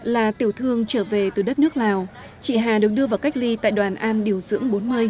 là tiểu thương trở về từ đất nước lào chị hà được đưa vào cách ly tại đoàn an điều dưỡng bốn mươi